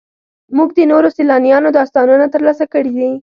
موږ د نورو سیلانیانو داستانونه ترلاسه کړي دي.